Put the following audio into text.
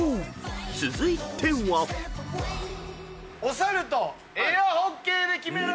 ［続いては］お猿とエアホッケーでキメろ！